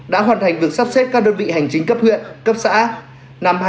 đã hoàn thành việc sắp xếp các đơn vị hành chính cấp huyện cấp xã